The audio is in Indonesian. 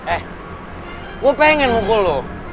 eh gue pengen mukul loh